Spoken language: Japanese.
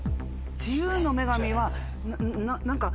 自由の女神は何か。